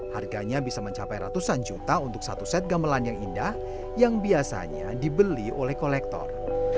harganya bisa mencapai ratusan juta untuk satu set gamelan yang indah yang biasanya dibeli oleh kolektor